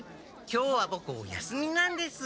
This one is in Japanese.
今日はボクお休みなんです。